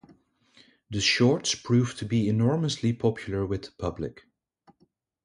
The shorts proved to be enormously popular with the public.